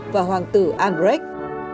và hoàng tử albrecht